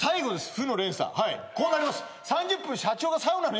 負の連鎖はいこうなります